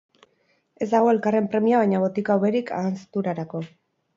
Ez dago elkarren premia baina botika hoberik ahanzturarako.